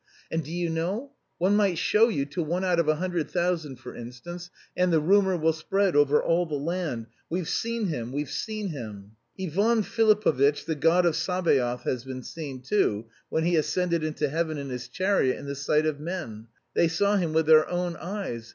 And do you know, one might show you, to one out of a hundred thousand, for instance. And the rumour will spread over all the land, 'We've seen him, we've seen him.' "Ivan Filipovitch the God of Sabaoth,* has been seen, too, when he ascended into heaven in his chariot in the sight of men. They saw him with their own eyes.